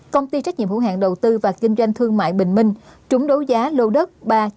công ty trách nhiệm hữu hạn đầu tư và kinh doanh thương mại bình minh trúng đấu giá lô đất ba